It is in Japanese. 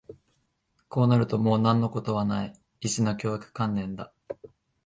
こうなるともう何のことはない、一種の脅迫観念だ